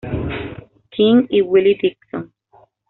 King y Willie Dixon.